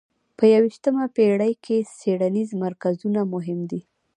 په یویشتمه پېړۍ کې څېړنیز مرکزونه مهم دي.